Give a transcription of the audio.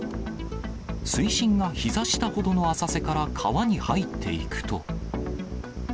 水深がひざ下ほどの浅瀬から川に入っていくと。